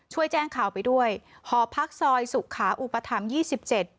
ช่วยแจ้งข่าวไปด้วยหอพักซอยสุขาอุปถัมภยี่สิบเจ็ด